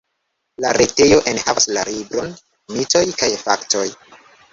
La retejo enhavas la libron Mitoj kaj Faktoj.